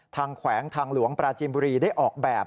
แขวงทางหลวงปราจีนบุรีได้ออกแบบ